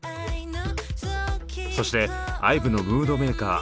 そしてＩＶＥのムードメーカー